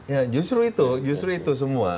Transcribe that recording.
ya justru itu justru itu semua